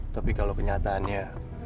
tapi kalau kenyataannya